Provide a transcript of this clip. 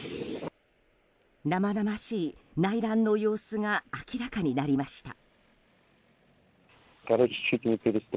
生々しい内乱の様子が明らかになりました。